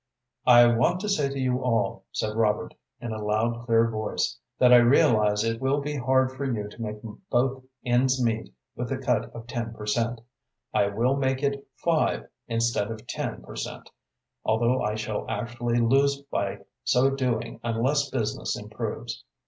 "I want to say to you all," said Robert, in a loud, clear voice, "that I realize it will be hard for you to make both ends meet with the cut of ten per cent. I will make it five instead of ten per cent., although I shall actually lose by so doing unless business improves.